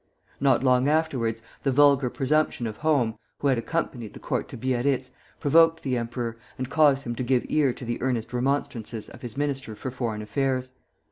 Not long afterwards, the vulgar presumption of Home, who had accompanied the court to Biarritz, provoked the emperor, and caused him to give ear to the earnest remonstrances of his Minister for Foreign Affairs.